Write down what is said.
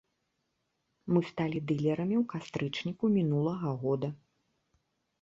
Мы сталі дылерамі ў кастрычніку мінулага года.